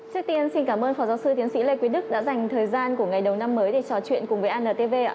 trước tiên xin cảm ơn phó giáo sư tiến sĩ lê quý đức đã dành thời gian của ngày đầu năm mới để trò chuyện cùng với antv ạ